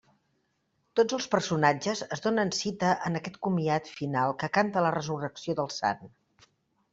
Tots els personatges es donen cita en aquest comiat final que canta la resurrecció del sant.